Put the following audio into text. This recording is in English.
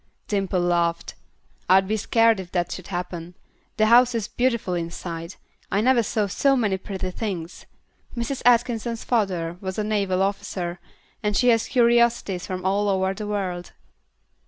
Dimple laughed. "I'd be scared if that should happen. The house is beautiful inside. I never saw so many pretty things. Mrs. Atkinson's father was a naval officer, and she has curiosities from all over the world."